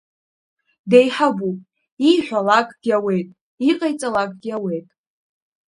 Деиҳабуп, ииҳәалакгьы ауеит, иҟаиҵалакгьы ауеит.